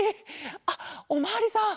あっおまわりさん。